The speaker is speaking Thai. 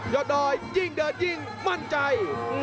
ยอดดอยยิ่งเดินยิ่งมั่นใจ